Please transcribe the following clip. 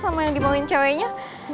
sama yang dimauin ceweknya